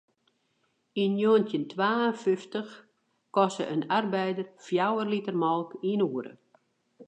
Yn njoggentjin twa en fyftich koste in arbeider fjouwer liter molke yn 'e oere.